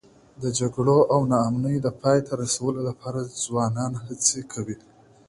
د جګړو او ناامنیو د پای ته رسولو لپاره ځوانان هڅې کوي.